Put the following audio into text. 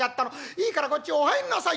いいからこっちお入んなさい』